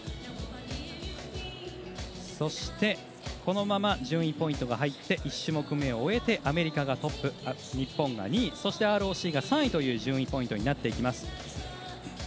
そして、このまま順位ポイントが入って１種目めを終えてアメリカがトップ日本が２位そしてＲＯＣが３位という順位ポイントになっていきます。